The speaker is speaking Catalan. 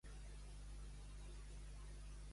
Omplir el buc.